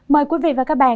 mời quý vị và các bạn